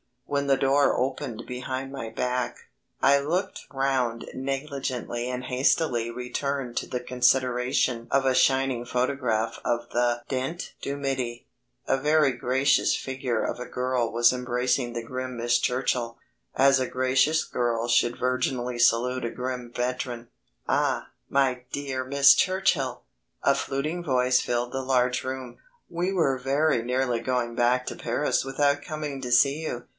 When the door opened behind my back. I looked round negligently and hastily returned to the consideration of a shining photograph of the Dent du Midi. A very gracious figure of a girl was embracing the grim Miss Churchill, as a gracious girl should virginally salute a grim veteran. "Ah, my dear Miss Churchill!" a fluting voice filled the large room, "we were very nearly going back to Paris without once coming to see you.